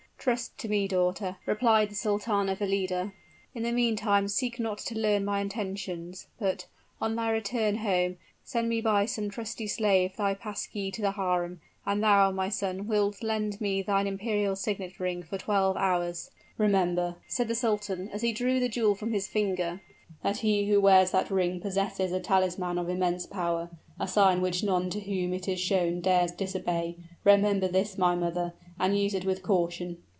"Trust to me, daughter," replied the Sultana Valida. "In the meantime seek not to learn my intentions; but, on thy return home, send me by some trusty slave thy pass key to the harem. And thou, my son, wilt lend me thine imperial signet ring for twelve hours!" "Remember," said the sultan, as he drew the jewel from his finger, "that he who wears that ring possesses a talisman of immense power a sign which none to whom it is shown dares disobey; remember this, my mother, and use it with caution."